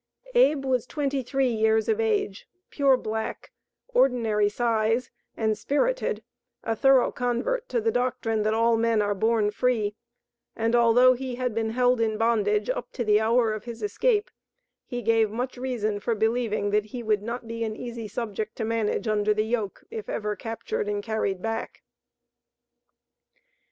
Abe was twenty three years of age, pure black, ordinary size, and spirited, a thorough convert to the doctrine that all men are born free, and although he had been held in bondage up to the hour of his escape, he gave much reason for believing that he would not be an easy subject to manage under the yoke, if ever captured and carried back.